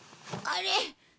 あれ？